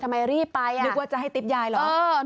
ทำไมรีบไปนึกว่าจะให้ติ๊บยายเหรอ